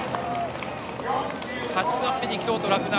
８番目に京都・洛南。